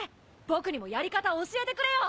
僕にもやり方教えてくれよ。